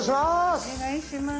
お願いします。